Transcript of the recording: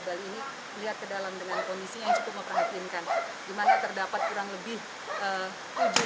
bali ini melihat ke dalam dengan kondisi yang cukup memprihatinkan dimana terdapat kurang lebih tujuh